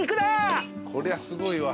こりゃすごいわ。